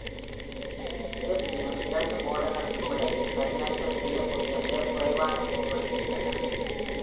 இருப்பினும் இரண்டு மாடல்களுக்கும் இடையில் பரிமாற்றம் செய்யக்கூடிய மிகக் குறைவான கூறுகள் இருந்தன.